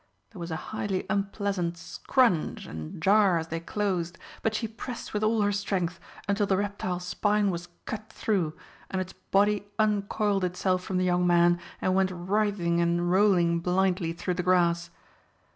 There was a highly unpleasant scrunch and jar as they closed, but she pressed with all her strength, until the reptile's spine was cut through and its body uncoiled itself from the young man and went writhing and rolling blindly through the grass.